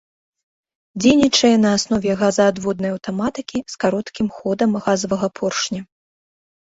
Дзейнічае на аснове газаадводнай аўтаматыкі з кароткім ходам газавага поршня.